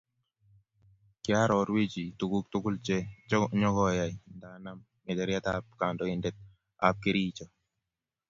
Kiarorwechi tuguk tugul che nyokoyay nda nam ngecheret ab kandoindet ab Kericho